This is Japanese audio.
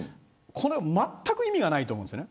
これまったく意味がないと思うんです。